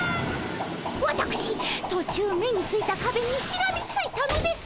わたくし途中目についたかべにしがみついたのですが。